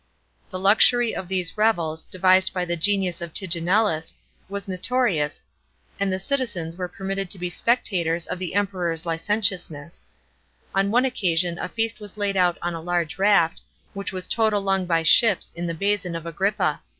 The luxury of these revels, devised by the genius of Tigellinus, was notorious, and the citizens were permitted to be spectators of the Emperor's licentiousness, On one occasion a feast was laid out on a large raft, which was towed along by ships in the Basin of Agrippa.